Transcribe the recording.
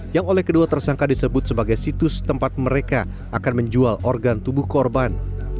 yang oleh kedua tersangka disebut sebagai situs tempat mereka akan menjual organ tubuh korban